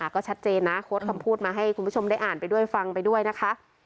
ก็ชัดเจนนะโค้ดคำพูดมาให้คุณผู้ชมได้อ่านไปด้วยฟังไปด้วยนะคะ